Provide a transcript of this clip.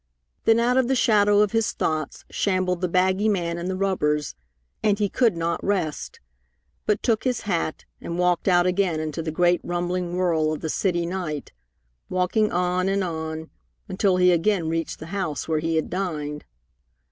Then out of the shadow of his thoughts shambled the baggy man in the rubbers, and he could not rest, but took his hat and walked out again into the great rumbling whirl of the city night, walking on and on, until he again reached the house where he had dined.